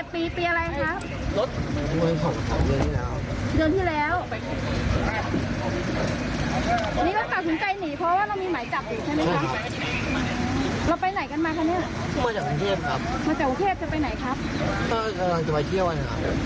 พอเห็นด่านละก็เลยตัดสินใจหนีเลย